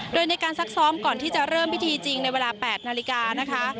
โดยในการซักซ้อมก่อนที่จะเริ่มพิธีจริงในเวลา๘นาฬิกานะคะ